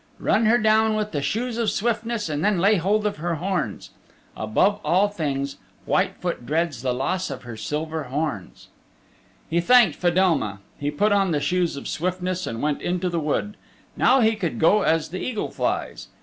Run her down with the Shoes of Swiftness and then lay hold of her horns. Above all things Whitefoot dreads the loss of her silver horns." He thanked Fedelma. He put on the Shoes of Swiftness and went into the wood. Now he could go as the eagle flies.